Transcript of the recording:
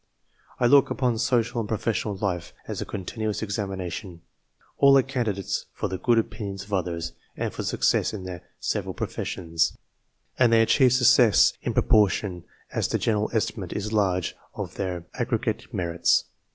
I look upon social and professional life as a continuous examination. All are candidates for the good opinions of )thers, and for success in their several professions, and they thieve success in proportion as the general estimate is irge of their aggregate merits.